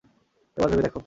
এবার ভেবে দেখো।